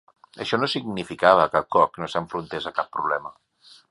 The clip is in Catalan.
Això no significava que Kok no s'enfrontés a cap problema..